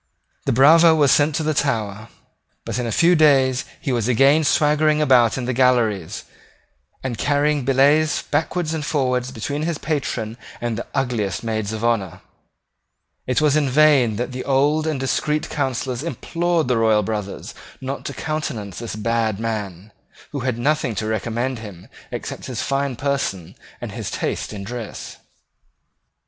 The bravo was sent to the Tower: but in a few days he was again swaggering about the galleries, and carrying billets backward and forward between his patron and the ugliest maids of honour. It was in vain that old and discreet counsellors implored the royal brothers not to countenance this bad man, who had nothing to recommend him except his fine person and his taste in dress.